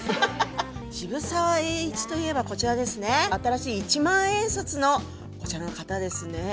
渋沢栄一といえばこちらですね、新しい一万円札のこちらの方ですね。